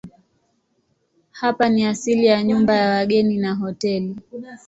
Hapa ni asili ya nyumba ya wageni na hoteli.